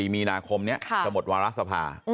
๒๓๒๔มีนาคมจะหมดวาระสภา